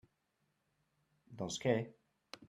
Doncs què?